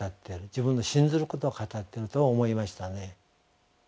自分の信ずることを語ってると思いましたね。